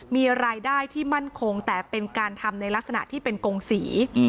มีรายได้ที่มั่นคงแต่เป็นการทำในลักษณะที่เป็นกงศรี